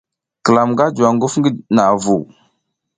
Klam nga juwa nguf ngi naʼa vu.